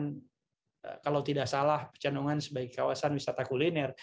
dan kalau tidak salah pecenongan sebagai kawasan wisata kuliner